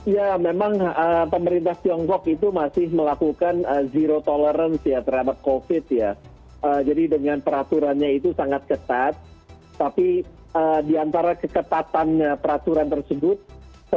ya memang pemerintah tiongkok itu masih melakukan zero tolerance